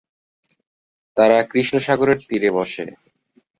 তারা কৃষ্ণ সাগরের তীরে বসে।